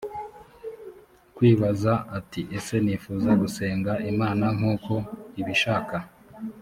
kwibaza ati ese nifuza gusenga imana nk uko ibishaka